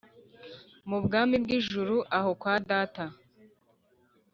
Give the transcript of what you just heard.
mu bwami bw` ijuru aho kwa data